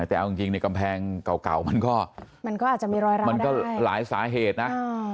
แต่เอาจริงในกำแพงเก่ามันก็มันก็อาจจะมีรอยร้าวมันก็หลายสาเหตุนะ